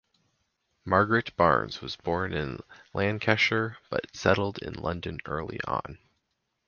Margaret Barnes was born in Lancashire but settled in London early on.